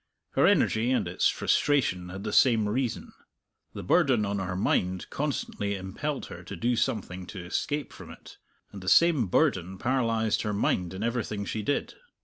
Her energy, and its frustration, had the same reason. The burden on her mind constantly impelled her to do something to escape from it, and the same burden paralyzed her mind in everything she did.